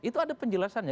itu ada penjelasannya